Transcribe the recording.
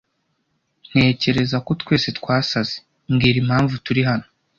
Ntekereza ko twese twasaze. Mbwira impamvu turi hano